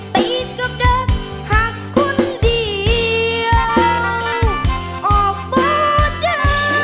ปิดก็ดักหักคนเดียวออกเบาใจ